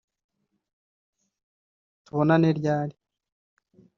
tubonane ryari